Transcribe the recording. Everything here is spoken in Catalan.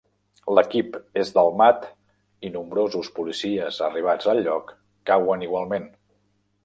L'equip és delmat i nombrosos policies arribats al lloc cauen igualment.